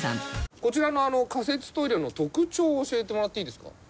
こちらの仮設トイレの特徴を教えてもらっていいですか？